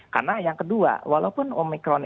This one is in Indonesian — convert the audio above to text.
karena yang kedua walaupun omikron